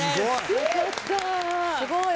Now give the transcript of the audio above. ・すごい。